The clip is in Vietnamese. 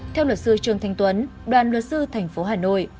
theo luật sư trương thanh tuấn đoàn luật sư thành phố hà nội